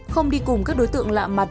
không đi cùng các đối tượng lạ mặt